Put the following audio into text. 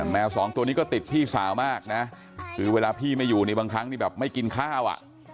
แมวสองตัวนี้ก็ติดพี่สาวมากนะคือเวลาพี่ไม่อยู่นี่บางครั้งนี่แบบไม่กินข้าวอ่ะ